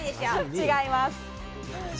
違います。